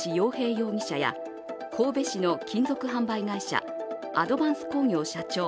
容疑者や神戸市の金属販売会社・アドヴァンス工業社長